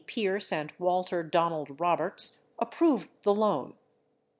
Pierce and Walter Donald Roberts, approved the loan.